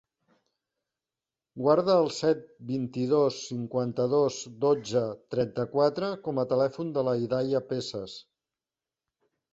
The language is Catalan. Guarda el set, vint-i-dos, cinquanta-dos, dotze, trenta-quatre com a telèfon de la Hidaya Peces.